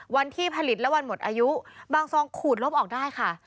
วันที่ผลิตและวันหมดอายุบางซองขูดลบออกได้ค่ะ